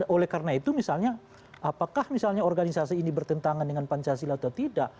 oleh karena itu misalnya apakah misalnya organisasi ini bertentangan dengan pancasila atau tidak